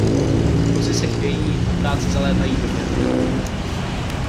Kozy se chvějí, a ptáci zalézají do děr.